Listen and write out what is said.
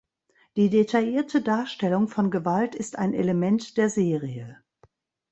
Die detaillierte Darstellung von Gewalt ist ein Element der Serie.